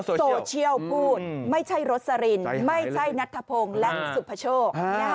โซเชียลพูดไม่ใช่โรสลินไม่ใช่นัทธพงศ์และสุภโชค